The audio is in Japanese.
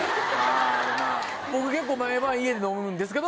僕結構毎晩家で飲むんですけど。